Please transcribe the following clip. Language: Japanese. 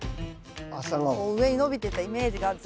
こう上に伸びてたイメージがあるんです。